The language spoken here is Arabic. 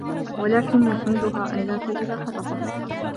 وَلَكِنْ يُخْمِدُهَا أَنْ لَا تَجِدَ حَطَبًا